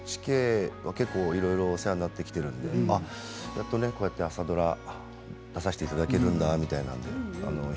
ＮＨＫはいろいろお世話になってきているのでやっと朝ドラ出させていただけるんだみたいな。